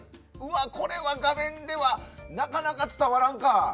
これは画面ではなかなか伝わらんか。